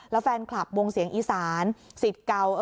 แล้วแฟนคลับวงเสียงอีสานสิทธิ์เก่า